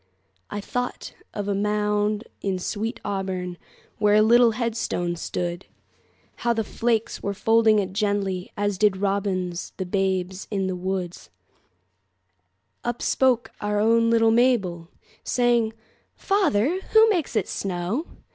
I thought of a mound in sweet AuburnWhere a little headstone stood; How the flakes were folding it gently, As did robins the babes in the wood. Up spoke our own little Mabel, Saying, "Father, who makes it snow?"